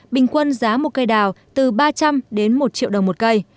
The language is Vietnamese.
bình quân giá một cây đào từ ba trăm linh đến một triệu đồng một cây